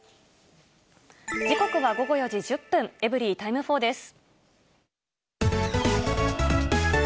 時刻は午後４時１０分、エブリィタイム４です。